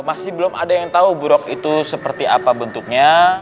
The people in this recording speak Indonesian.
masih belum ada yang tahu burok itu seperti apa bentuknya